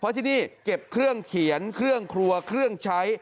เพราะที่นี่เก็บเครื่องเขียนเครื่องครัวเครื่องใช้